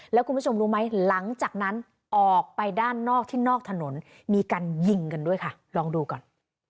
แล้วคุณผู้ชมรู้ไหมหลังจากนั้นออกไปด้านนอกที่นอกถนนมีการยิงกันด้วยค่ะลองดูก่อน